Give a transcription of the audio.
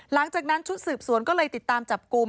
หลังจากนั้นชุดสืบสวนก็เลยติดตามจับกลุ่ม